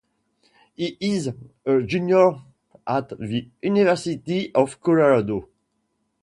He is a junior at the University of Colorado.